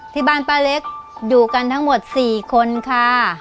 ที่บ้านป้าเล็กอยู่กันทั้งหมด๔คนค่ะ